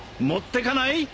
持ってかない？